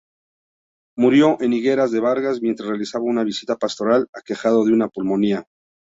Murió en Higueras de Vargas mientras realizaba una visita pastoral, aquejado de una pulmonía